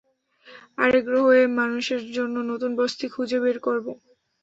আরেক গ্রহে মানুষের জন্য নতুন বসতি খুঁজে বের করবো।